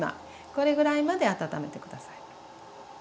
これぐらいまで温めて下さい。